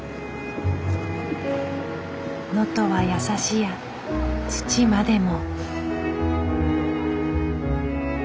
「能登はやさしや土までも」。